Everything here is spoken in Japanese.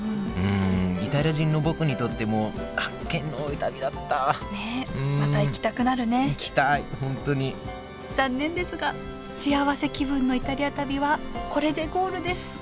イタリア人の僕にとっても発見の多い旅だったまた行きたくなるね行きたい本当に残念ですが「しあわせ気分のイタリア旅」はこれでゴールです。